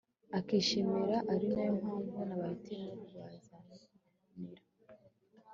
akishima, ari nayo mpamvu nabahitiyemo kubazanira